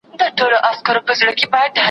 زه کولای سم انځورونه رسم کړم!!